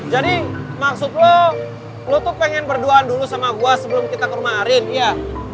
jadi maksud lo lo tuh pengen berduaan dulu sama gue sebelum kita ke rumah arin iya